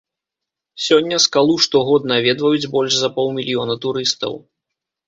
Сёння скалу штогод наведваюць больш за паўмільёна турыстаў.